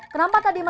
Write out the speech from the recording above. kenapa tadi malam